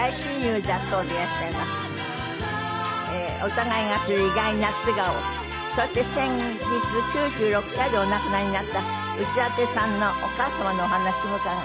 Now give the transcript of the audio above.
お互いが知る意外な素顔そして先日９６歳でお亡くなりになった内館さんのお母様のお話も伺います。